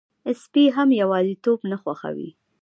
سپي هم یواځيتوب نه خوښوي.